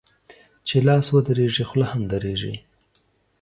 چي لاس و درېږي ، خوله هم درېږي.